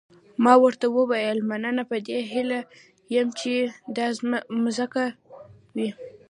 ما ورته وویل مننه په دې هیله یم چې دا مځکه وي.